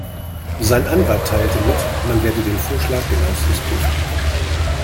Sein Anwalt teilte mit, man werde den Vorschlag genauestens prüfen.